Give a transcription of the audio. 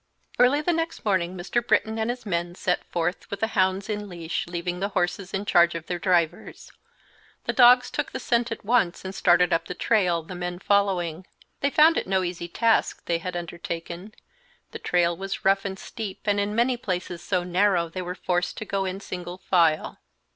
Early the next morning Mr. Britton and his men set forth with the hounds in leash, leaving the horses in charge of their drivers. The dogs took the scent at once and started up the trail, the men following. They found it no easy task they had undertaken; the trail was rough and steep and in many places so narrow they were forced to go in single file.